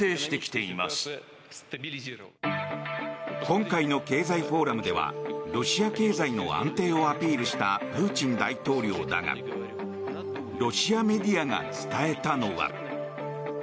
今回の経済フォーラムではロシア経済の安定をアピールしたプーチン大統領だがロシアメディアが伝えたのは。